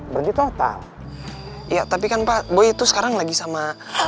berarti total ya tapi kan pak boy itu sekarang lagi sama